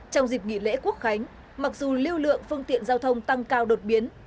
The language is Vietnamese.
trong dịp nghỉ lễ quốc khánh mặc dù lưu lượng phương tiện giao thông tăng cao đột biến